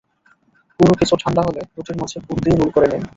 পুর কিছুটা ঠান্ডা হলে, রুটির মাঝে পুর দিয়ে রোল করে নিন।